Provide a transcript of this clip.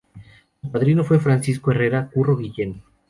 Su padrino fue Francisco Herrera “Curro Guillen".